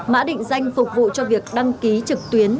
mã định danh phục vụ cho việc đăng ký trực tuyến